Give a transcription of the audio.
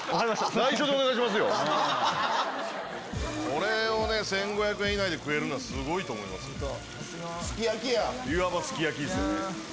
これを１５００円以内で食えるのはすごいと思います。